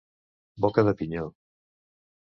Boca de pinyó.